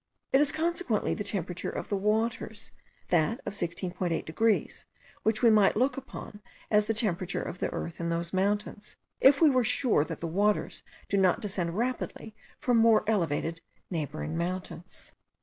It is consequently the temperature of the waters, that of 16.8 degrees, which we might look upon as the temperature of the earth in those mountains, if we were sure that the waters do not descend rapidly from more elevated neighbouring mountains.